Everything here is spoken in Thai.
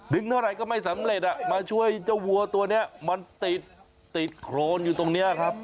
เท่าไหร่ก็ไม่สำเร็จมาช่วยเจ้าวัวตัวนี้มันติดติดโครนอยู่ตรงนี้ครับ